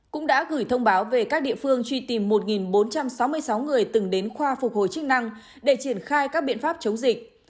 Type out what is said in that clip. cũng đã gửi thông báo về các địa phương truy tìm một bốn trăm sáu mươi sáu người từng đến khoa phục hồi chức năng để triển khai các biện pháp chống dịch